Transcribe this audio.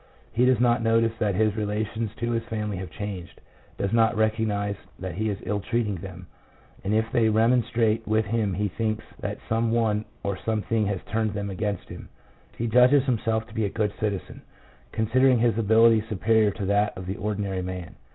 He does not notice that his relations to his family have changed, does not recognize that he is ill treating them, and if they remonstrate with him he thinks that some one or something has turned them against him. He judges himself to be a good citizen, considering his ability superior to that of the ordinary man.